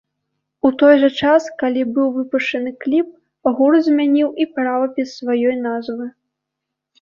У той жа час, калі быў выпушчаны кліп, гурт змяніў і правапіс сваёй назвы.